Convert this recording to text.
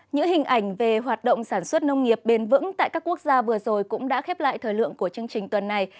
những hình ảnh về hoạt động sản xuất nông nghiệp bền vững tại các quốc gia vừa rồi cũng đã khép lại thời lượng của chương trình tuần này